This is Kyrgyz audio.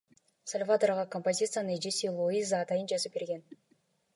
Сальвадорго композицияны эжеси Луиза атайын жазып берген.